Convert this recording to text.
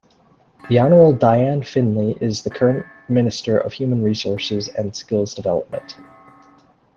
The Honourable Diane Finley is the current Minister of Human Resources and Skills Development.